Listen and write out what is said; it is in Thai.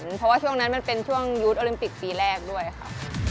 เพราะว่าช่วงนั้นมันเป็นช่วงยูทโอลิมปิกปีแรกด้วยค่ะ